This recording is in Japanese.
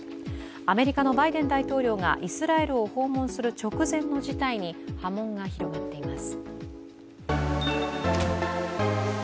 アメリカのバイデン大統領がイスラエルを訪問する直前の事態に波紋が広がっています。